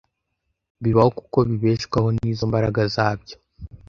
bibaho kuko bibeshwaho nizo mbaraga zabyo